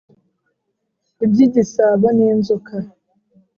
Ibyigisabo n,inzoka